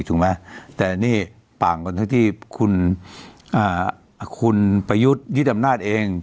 ถูกไหมแต่อันนี้ป่างกว่าที่ที่คุณอ่าคุณไปยึดยึดอำนาจเอง